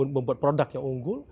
membuat produk yang unggul